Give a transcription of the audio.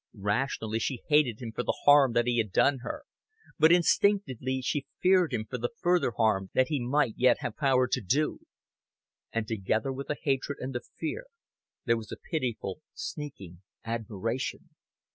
Rationally she hated him for the harm that he had done her, but instinctively she feared him for the further harm that he might yet have power to do. And together with the hatred and the fear, there was a pitiful sneaking admiration.